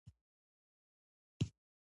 زه ویده کیږم